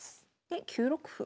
で９六歩。